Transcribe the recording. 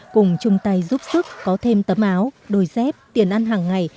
cùng chung tay giúp sức có thêm tấm áo đôi dép tiền ăn hàng ngày